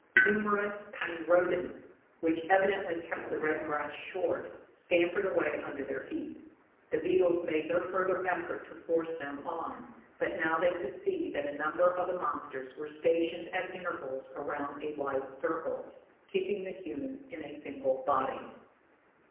Numerous tiny rodents, which evidently kept the red grass short, scampered away under their feet. The beetles made no further effort to force them on, but now they could see that a number of the monsters were stationed at intervals around a wide circle, keeping the humans in a single body.